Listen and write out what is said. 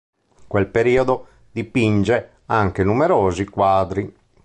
In quel periodo dipinge anche numerosi quadri.